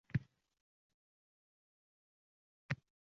Hozir valaqlashib o'tirishga bir daqiqa ham vaqtim yo'q!